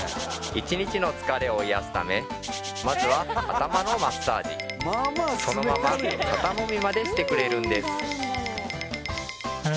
１日の疲れを癒やすためまずは頭のマッサージそのまま肩もみまでしてくれるんですあ